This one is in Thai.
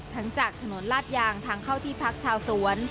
จากถนนลาดยางทางเข้าที่พักชาวสวน